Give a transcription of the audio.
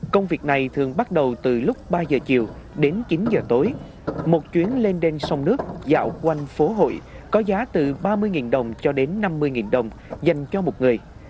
công việc này thường bắt đầu từ lúc ba giờ chiều đến chín giờ tối một chuyến lên đên sông nước dạo quanh phố hội có giá từ ba mươi đồng cho đến năm mươi đồng dành cho một người